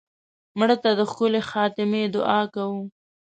مړه ته د ښکلې خاتمې دعا کوو